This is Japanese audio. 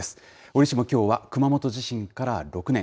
折しもきょうは熊本地震から６年。